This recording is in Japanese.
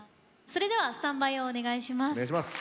それではスタンバイをお願いします。